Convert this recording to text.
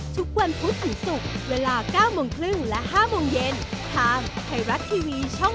สวัสดีครับทุกคน